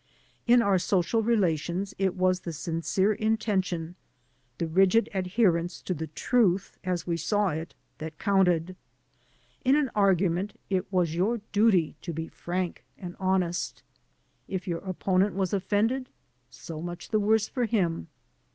In our social relations it was the sincere intention, the rigid adherence to the truth as we saw it, that counted. In an argument it 157 AN AMERICAN IN THE MAKING was your duty to be frank and honest; if your opponent was offended, so much the worse for him.